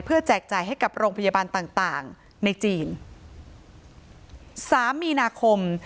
แจกจ่ายให้กับโรงพยาบาลต่างต่างในจีนสามมีนาคม